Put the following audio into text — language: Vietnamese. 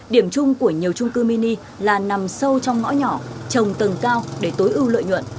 điểm chung của nhiều trung cư mini là nằm sâu trong ngõ nhỏ trồng tầng cao để tối ưu lợi nhuận